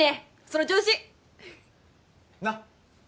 その調子・なっ